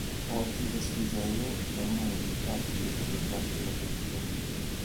Oggi Eskişehir è una delle città più industrializzate della Turchia.